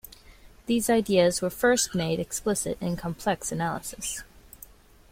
These ideas were first made explicit in complex analysis.